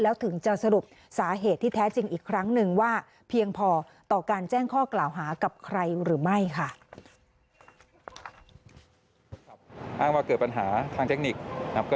แล้วถึงจะสรุปสาเหตุที่แท้จริงอีกครั้งหนึ่งว่าเพียงพอต่อการแจ้งข้อกล่าวหากับใครหรือไม่ค่ะ